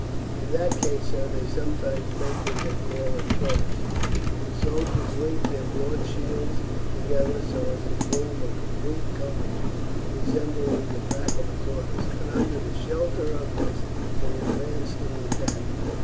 "In that case, sir, they sometimes make what they call a tortoise. The soldiers link their broad shields together, so as to form a complete covering, resembling the back of a tortoise, and under shelter of this they advance to the attack.